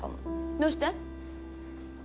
どうして？